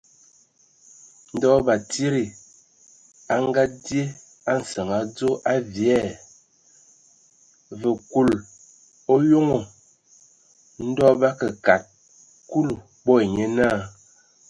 Ndɔ batsidi a ngadzye a nsǝŋ adzo a vyɛɛ̂! Vǝ kul o yonoŋ. Ndɔ bə akǝ kad Kulu, bo ai nye naa.